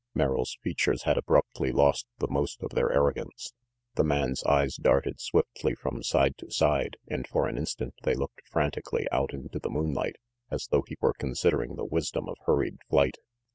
Merrill's features had abruptly lost the most of their arrogance. The man's eyes darted swiftly from RANGY PETE 395 side to side, and for an instant they looked frantically out into the moonlight, as though he were considering the wisdom of hurried flight.